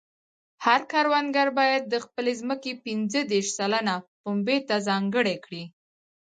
هر کروندګر باید د خپلې ځمکې پنځه دېرش سلنه پنبې ته ځانګړې کړي.